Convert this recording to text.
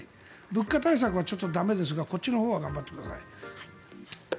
物価対策はちょっと駄目ですがこっちのほうは頑張ってください。